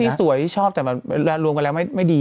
เบอร์ที่สวยชอบแต่ลงไปแล้วไม่ดี